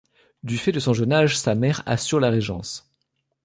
Du fait de son jeune âge, sa mère assure la régence.